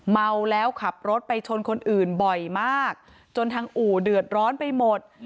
เมาแล้วขับรถไปชนคนอื่นบ่อยมากจนทางอู่เดือดร้อนไปหมด